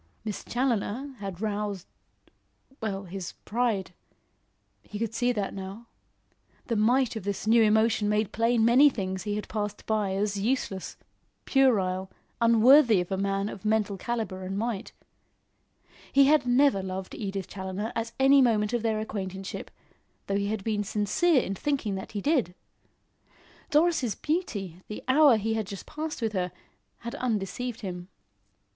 Miss Challoner had roused well, his pride. He could see that now. The might of this new emotion made plain many things he had passed by as useless, puerile, unworthy of a man of mental calibre and might. He had never loved Edith Challoner at any moment of their acquaintanceship, though he had been sincere in thinking that he did. Doris' beauty, the hour he had just passed with her, had undeceived him.